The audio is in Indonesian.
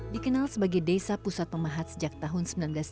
dikenal sebagai desa pusat pemahat sejak tahun seribu sembilan ratus sembilan puluh